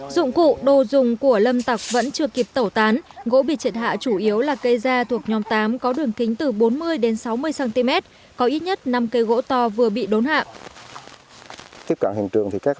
dụng cụ đồ dùng của lâm tặc vẫn chưa kịp tẩu tán gỗ bị triệt hạ chủ yếu là cây da thuộc nhóm tám có đường kính từ bốn mươi đến sáu mươi cm có ít nhất năm cây gỗ to vừa bị đốn hạ